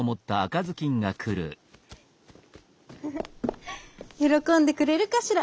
「ウフフッよろこんでくれるかしら」。